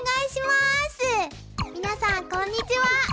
皆さんこんにちは。